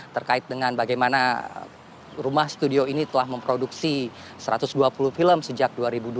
terkait dengan bagaimana rumah studio ini telah memproduksi satu ratus dua puluh film sejak dua ribu dua puluh dua